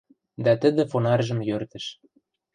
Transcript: Дӓ тӹдӹ фонарьжым йӧртӹш.